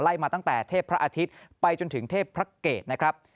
มาตั้งแต่เทพพระอาทิตย์ไปจนถึงเทพพระเกตนะครับ